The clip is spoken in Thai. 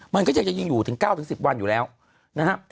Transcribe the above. มันก็จะอยู่ถึง๙๑๐วันอยู่แล้วนะฮะ